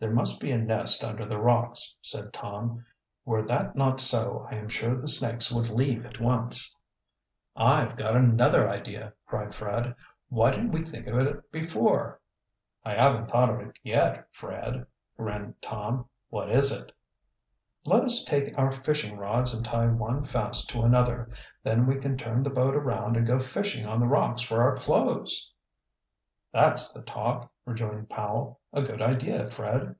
"There must be a nest under the rocks," said Tom. "Were that not so I am sure the snakes would leave at once." "I've got another idea!" cried Fred. "Why didn't we think of it before?" "I haven't thought of it yet, Fred," grinned Tom. "What is it?" "Let us take our fishing rods and tie one fast to another. Then we can turn the boat around and go fishing on the rocks for our clothes." "That's the talk," rejoined Powell. "A good idea, Fred."